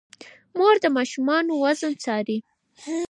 مور د ماشومانو وزن څاري.